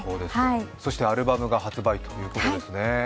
そしてアルバムが発売ということですね。